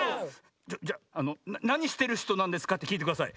じゃあの「なにしてるひとなんですか？」ってきいてください。